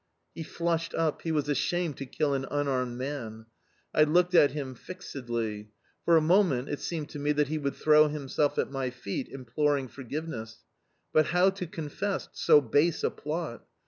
He flushed up; he was ashamed to kill an unarmed man. I looked at him fixedly; for a moment it seemed to me that he would throw himself at my feet, imploring forgiveness; but how to confess so base a plot?...